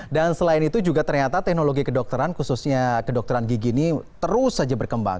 dan selain itu juga ternyata teknologi kedokteran khususnya kedokteran gigi ini terus saja berkembang